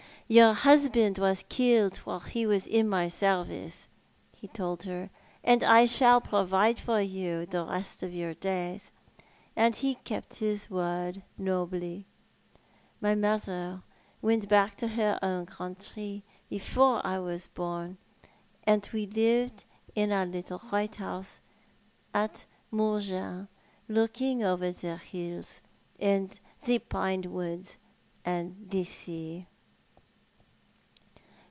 'Your husband was killed while he was in my service,' he told her, ' and I shall provide for you for the rest of your days,' and he kept his word nobly. My mother went back to her own country before I was born, and wo lived in a little white house at Mongins, looking over the hills, and the pine woods and the sea."